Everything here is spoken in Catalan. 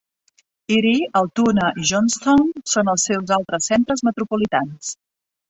Erie, Altoona i Johnstown són els seus altres centres metropolitans.